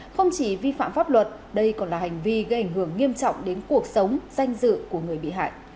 không chỉ vi phạm pháp luật đây còn là hành vi gây ảnh hưởng nghiêm trọng đến cuộc sống danh dự của người bị hại